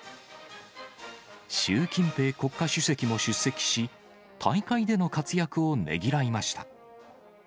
習近平国家主席も出席し、大会での活躍をねぎらいました。